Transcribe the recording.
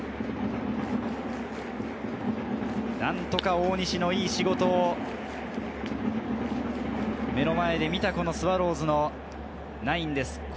何とか大西のいい仕事を目の前で見たスワローズのナインです。